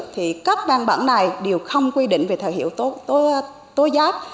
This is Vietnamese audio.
thì các văn bản này đều không quy định về thời hiệu tố giáp